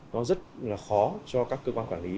nó rất là khó cho các cơ quan quản lý